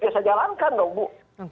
ya saya jalankan dong bu